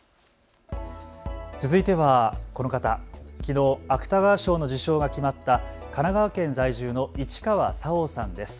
続いてはこの方、きのう芥川賞の受賞が決まった神奈川県在住の市川沙央さんです。